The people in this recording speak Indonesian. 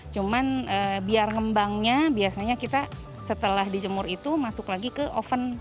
cuman biar ngembangnya biasanya kita setelah dijemur itu masuk lagi ke oven